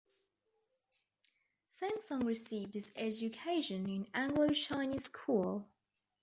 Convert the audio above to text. Seng Song received his education in Anglo-Chinese School.